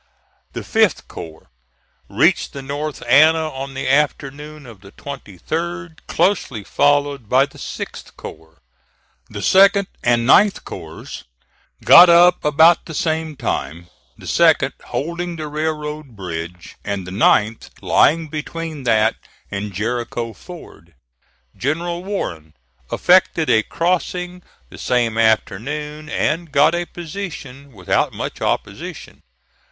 The fifth corps reached the North Anna on the afternoon of the 23d, closely followed by the sixth corps. The second and ninth corps got up about the same time, the second holding the railroad bridge, and the ninth lying between that and Jericho Ford. General Warren effected a crossing the same afternoon, and got a position without much opposition.